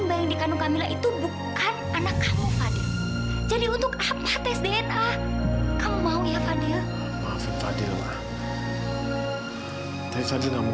dan tidak berusaha memaksa saya lagi